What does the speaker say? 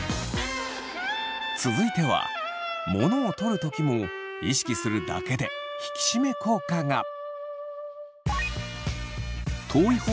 続いては物を取る時も意識するだけで引き締め効果が。